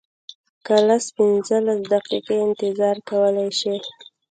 که لس پنځلس دقیقې انتظار کولی شې.